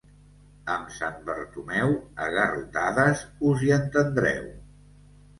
Amb Sant Bartomeu, a garrotades us hi entendreu.